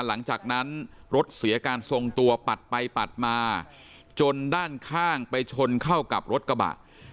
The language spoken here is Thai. หลังจากนั้นรถเสียการทรงตัวปัดไปปัดมาจนด้านข้างไปชนเข้ากับรถกระบะ